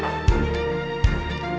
jangan lupa untuk mencoba